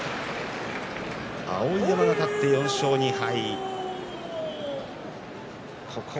碧山、勝って４勝２敗。